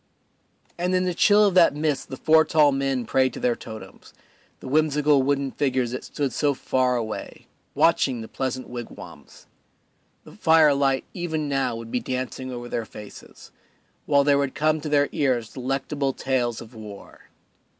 And in the chill of that mist the four tall men prayed to their totems, the whimsical wooden figures that stood so far away, watching the pleasant wigwams; the firelight even now would be dancing over their faces, while there would come to their ears delectable tales of war.